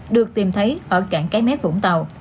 được tìm thấy ở cảng cái mét vũng tàu